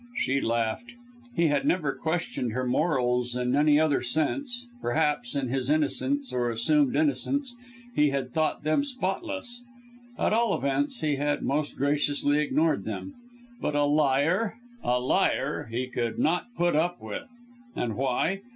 She laughed. He had never questioned her morals in any other sense perhaps, in his innocence or assumed innocence, he had thought them spotless at all events he had most graciously ignored them. But a liar! A liar he could not put up with. And why!